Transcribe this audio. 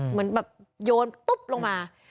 เหมือนแบบโยนตุ๊บลงมา